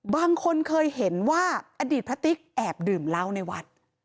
บางคนเคยเห็นว่าอดีตพระติ๊กแอบดื่มเหล้าในวัด